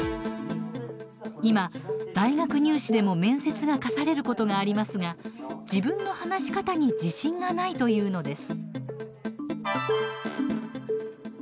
今、大学入試でも面接が課されることがありますが自分の話し方に自信がないというのです。